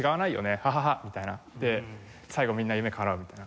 ハハハみたいになって最後みんな夢かなうみたいな。